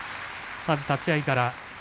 まず立ち合いから。